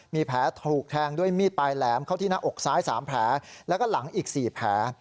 มีแผลถูกแทงด้วยมีดปลายแหลมเข้าที่หน้าอกซ้าย๓แผลแล้วก็หลังอีก๔แผล